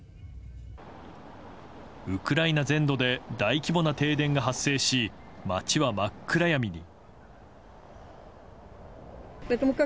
ウクライナ全土で大規模な停電が発生し街は真っ暗闇に。